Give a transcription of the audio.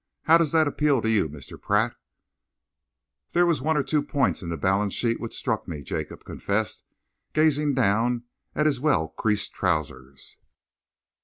How does that appeal to you, Mr. Pratt?" "There were one or two points in the balance sheet which struck me," Jacob confessed, gazing down at his well creased trousers.